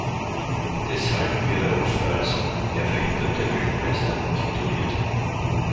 Deshalb wird er oftmals als „der verhinderte Weltmeister“ tituliert.